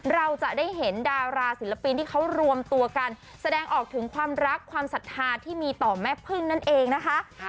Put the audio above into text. เราจะได้เห็นดาราศิลปินที่เขารวมตัวกันแสดงออกถึงความรักความศรัทธาที่มีต่อแม่พึ่งนั่นเองนะคะ